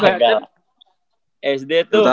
kagak lah sd tuh